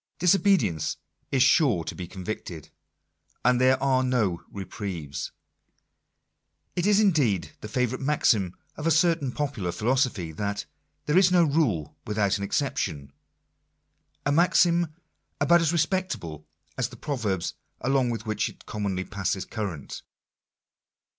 Disobedience is sure to be convicted. And there are no reprieves. It is indeed the favourite maxim of a certain popular phi losophy, that "there is no rule without an exception," — a Digitized by VjOOQIC INTRODUCTION. 39 maxim about as respectable as the proverbs along with which it commonly passes current.